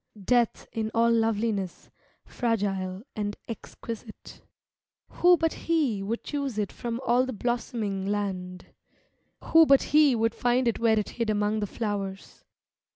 Death in all loveliness, fragile and exquisite, Who but he would choose it from all the blossom ing land? Who but he would find it where it hid among the flowers?